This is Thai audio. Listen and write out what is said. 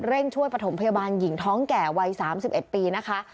ช่วยประถมพยาบาลหญิงท้องแก่วัย๓๑ปีนะคะ